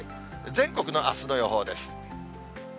全国のあすの予報です。